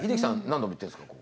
何度も行ってるんですか？